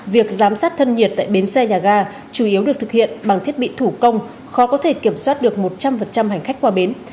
việc giám sát thân nhiệt tại bến xe nhà ga chủ yếu được thực hiện bằng thiết bị thủ công khó có thể kiểm soát được một trăm linh hành khách qua bến